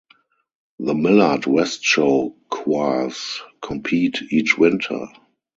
The Millard West Show Choirs compete each winter.